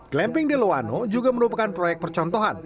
glamping deloano juga merupakan proyek percontohan